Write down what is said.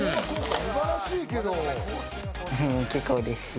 素晴らしいけど。